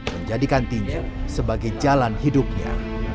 menjadikan tinya sebagai jalan hidupnya